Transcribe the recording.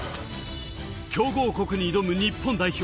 強豪国に挑む日本代表。